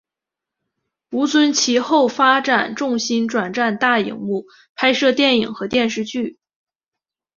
吴尊其后发展重心转战大银幕拍摄电影和电视剧。